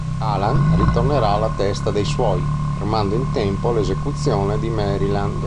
Alan ritornerà alla testa dei suoi, fermando in tempo l'esecuzione di Maryland.